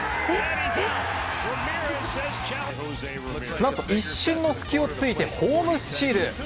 何と一瞬の隙をついてホームスチール。